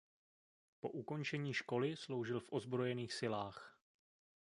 Po ukončení školy sloužil v ozbrojených silách.